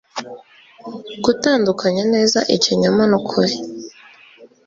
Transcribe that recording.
gutandukanya neza ikinyoma n'ukuri